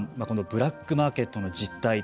このブラックマーケットの実態